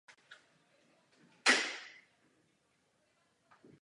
Hra může být kompletně v online nebo offline režimu.